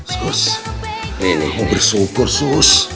sus mau bersyukur sus